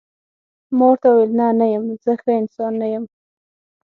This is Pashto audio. ما ورته وویل: نه، نه یم، زه ښه انسان نه یم.